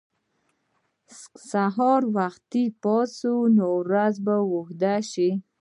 که سهار وختي پاڅو، نو ورځ به اوږده شي.